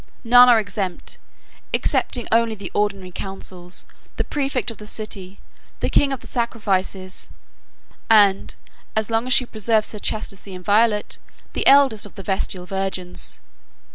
None are exempted, excepting only the ordinary consuls, 39 the præfect of the city, the king of the sacrifices, and (as long as she preserves her chastity inviolate) the eldest of the vestal virgins.